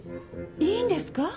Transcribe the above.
いいんですか？